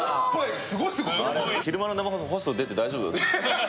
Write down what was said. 昼間の生放送にホスト出て大丈夫？